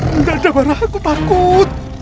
tidak ada barang aku takut